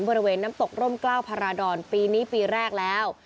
บริเวณน้ำตกร่มกล้าวพาราดรปีนี้ปีแรกแล้ว